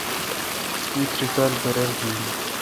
می تری کالہ برر گھن۔